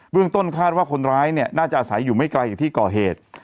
เรื่องต้นคาดว่าคนร้ายเนี่ยน่าจะอาศัยอยู่ไม่ไกลจากที่ก่อเหตุ